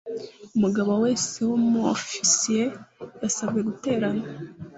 umugabo wese wa umuofia yasabwe guterana